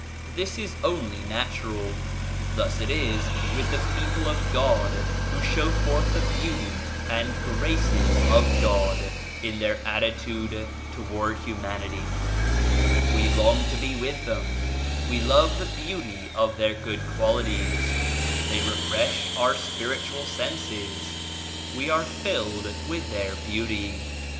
This is only natural. Thus it is with the people of God who show forth the Beauty and Graces of God in their attitude toward humanity. We long to be with them. We love the beauty of their good qualities. They refresh our spiritual senses. We are filled with their beauty.